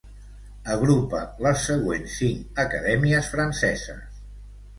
Agrupa les següents cinc acadèmies franceses.